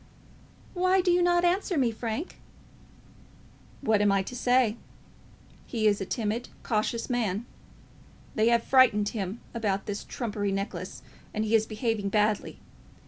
"Why do you not answer me, Frank?" "What am I to say? He is a timid, cautious man. They have frightened him about this trumpery necklace, and he is behaving badly.